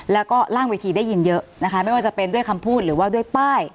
แล้วก็ล่างเวทีได้ยินเยอะนะคะไม่ว่าจะเป็นด้วยคำพูดหรือว่าด้วยป้าย